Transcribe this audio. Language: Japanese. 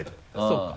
そうか。